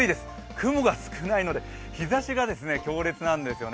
雲が少ないので、日ざしが強烈なんですよね。